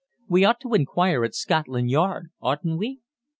We ought to inquire at Scotland Yard, oughtn't we?"